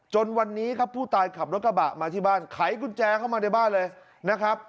จนวันนี้ครับผู้ตายขับรถกระบะมาที่บ้านไขกุญแจเข้ามาในบ้านเลยนะครับ